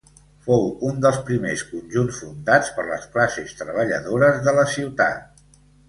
Fou un dels primers conjunts fundats per les classes treballadores de la ciutat.